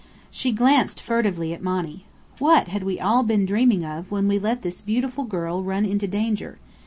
She glanced furtively at Monny. What had we all been dreaming of when we let this beautiful girl run into danger?